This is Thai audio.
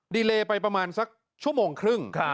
ดีเลไปประมาณสักชั่วโมงครึ่ง